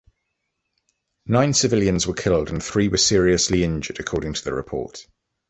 Nine civilians were killed and three were seriously injured, according to the report.